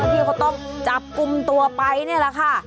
ที่เขาต้องจับกลุ่มตัวไปนี่แหละค่ะ